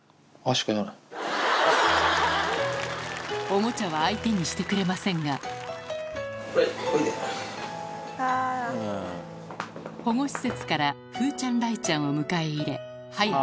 おもちゃは相手にしてくれませんが保護施設から風ちゃん雷ちゃんを迎え入れはや